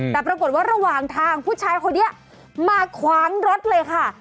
แต่ปรากฏว่าระหว่างทางผู้ชายคนนี้มาขวางรถเลยค่ะ